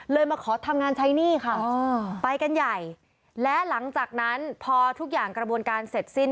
มาขอทำงานใช้หนี้ค่ะไปกันใหญ่และหลังจากนั้นพอทุกอย่างกระบวนการเสร็จสิ้น